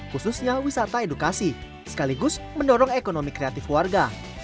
khususnya wisata edukasi sekaligus mendorong ekonomi kreatif warga